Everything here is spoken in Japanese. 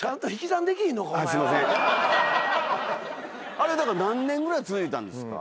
あれ何年ぐらい続いたんですか？